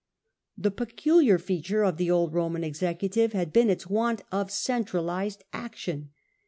The peculiar feature of the old Roman executive had been its want of centralised action.